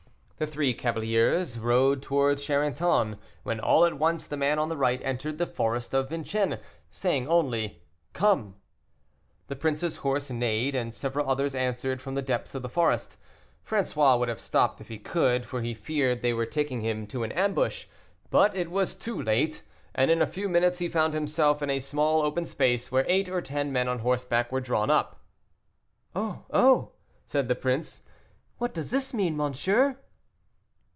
The three cavaliers rode towards Charenton, when all at once the man on the right entered the forest of Vincennes, saying only, "Come." The prince's horse neighed, and several others answered from the depths of the forest. François would have stopped if he could, for he feared they were taking him to an ambush, but it was too late, and in a few minutes he found himself in a small open space, where eight or ten men on horseback were drawn up. "Oh! oh!" said the prince, "what does this mean, monsieur?"